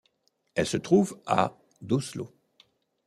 Elle se trouve à d'Oslo.